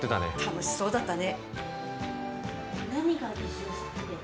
楽しそうだったね。